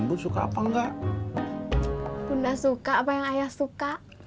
bu suka apa enggak bunda suka apa yang ayah suka